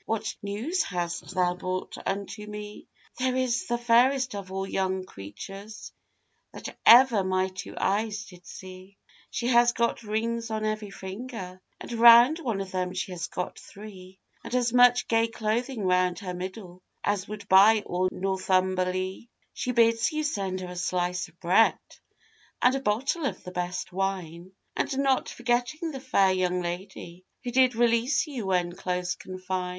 What news hast thou brought unto me?' 'There is the fairest of all young creatures That ever my two eyes did see! 'She has got rings on every finger, And round one of them she has got three, And as much gay clothing round her middle As would buy all Northumberlea. 'She bids you send her a slice of bread, And a bottle of the best wine; And not forgetting the fair young lady Who did release you when close confine.